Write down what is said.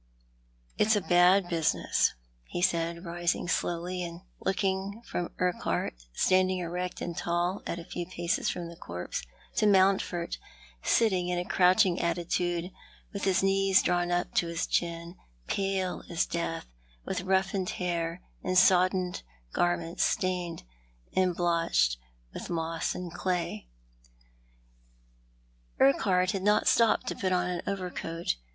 "It's a bad business," he said, rising slowly, and looking from Urqnhart, standing erect and tall at a few paces from the corpse, to Mountford, sitting in a crouching attitude, with his knees drawn up to his chin, pale as death, with roughened hair, and soddened garments stained and blotched with moss and clay. " What do yoit knoin about this ?" 115 Urquhart had not stopped to put on an overcoat.